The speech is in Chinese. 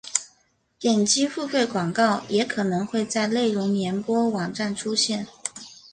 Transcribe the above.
点击付费广告也可能会在内容联播网站出现。